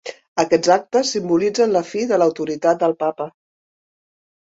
Aquests actes simbolitzen la fi de l'autoritat del Papa.